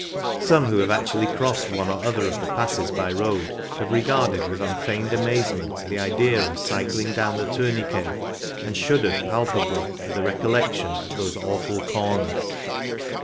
Some who have actually crossed one or other of the passes by road have regarded with unfeigned amazement the idea of cycling down the tourniqtiets^ and shuddered palpably at the recollection of "those awful corners." 188 WHAT ARE THE RISKS?